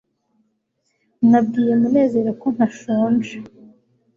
nabwiye munezero ko ntashonje